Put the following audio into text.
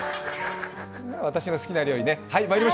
私の好きな料理ね、はい。